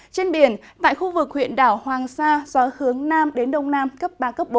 trên biển tại khu vực huyện đảo hoàng sa xóa hướng nam đến đông nam cấp ba bốn